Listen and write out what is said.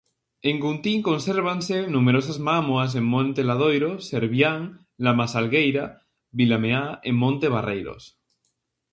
En Guntín consérvanse numerosas mámoas en Monte Ladoiro, Servián, Lamasalgueira, Vilameá e Monte Barreiros.